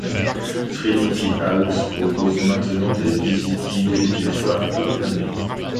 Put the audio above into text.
Trinity House propose maintenant des visites guidées du phare toute l'année.